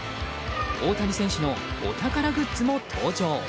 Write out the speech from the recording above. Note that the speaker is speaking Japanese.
大谷選手のお宝グッズも登場。